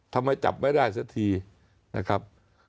ทำไมจับไม่ได้สักทีนะครับ